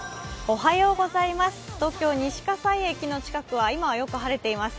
東京・西葛西駅の近くは今はよく晴れています。